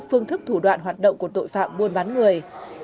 phương thức thủ đoạn hoạt động của tội phạm buôn bán người